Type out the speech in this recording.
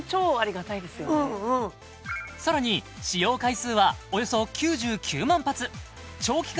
うんうん更に使用回数はおよそ９９万発長期間